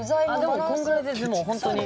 あでもこんぐらいでホントに。